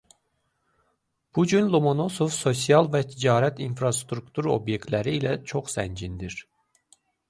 Bu gün Lomonosov sosial və ticarət infrastruktur obyektləri ilə çox zəngindir.